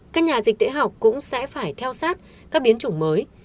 các nhà dịch tễ học cũng sẽ phải theo sát các biến chủng mới